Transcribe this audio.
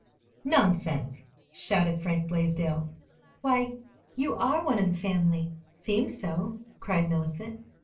"Nonsense!" shouted Frank Blaisdell. "Why, you are one of the family, 'seems so," cried Mellicent.